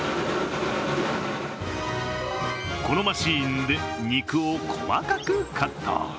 このマシンで肉を細かくカット。